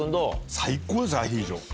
最高ですアヒージョ。